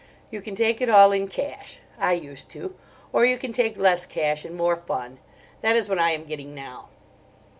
You can take it all in cash. I used to. Or you can take less cash and more fun: that is what I am getting now."